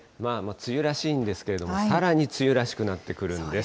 梅雨らしいんですけれども、さらに梅雨らしくなってくるんです。